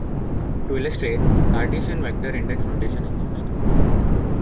To illustrate, Cartesian vector index notation is used.